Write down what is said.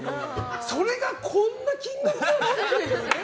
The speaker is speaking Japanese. それがこんな金額なの？っていうね。